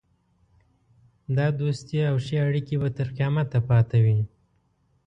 دا دوستي او ښې اړېکې به تر قیامته پاته وي.